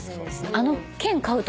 あの。